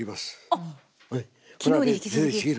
あっ昨日に引き続き。